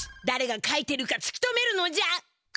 だれが書いてるかつき止めるのじゃ！